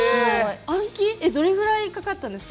どれぐらいかかったんですか？